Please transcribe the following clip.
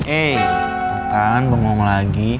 eh bukan bengong lagi